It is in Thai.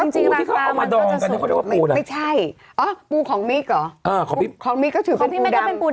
จริงแบบปุกาลที่เขาเอามาดองก็ว่าปู